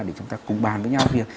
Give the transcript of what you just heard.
để chúng ta cùng bàn với nhau